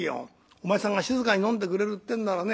「お前さんが静かに飲んでくれるっていうんならね